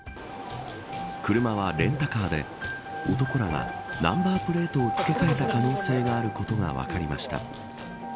車はレンタカーで男らがナンバープレートを付け替えた可能性があることが分かりました。